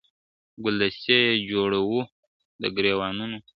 ګلدستې یې جوړوو د ګرېوانونو .